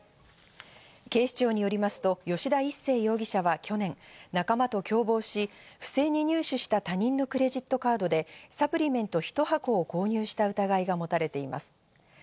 警視庁によりますと、吉田一誠容疑者は去年、仲間と共謀し、不正に入手した他人のクレジットカードでサプリメント１箱を購入した疑いがもたれています。